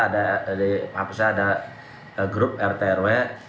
ada di grup rt rw